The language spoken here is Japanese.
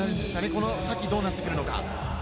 この先どうなってくるのか？